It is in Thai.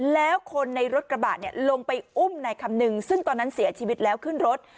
แล้วคนในรถกระบะเนี่ยลงไปอุ้มนายคำนึงซึ่งตอนนั้นเสียชีวิตแล้วขึ้นรถ